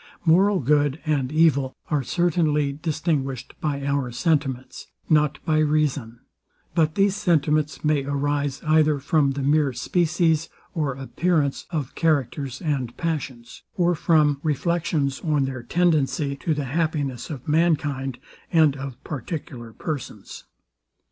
Moral good and evil are certainly distinguished by our sentiments, not by reason: But these sentiments may arise either from the mere species or appearance of characters and passions, or from reflections on their tendency to the happiness of mankind, and of particular persons.